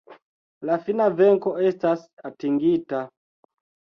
La fina venko estas atingita!!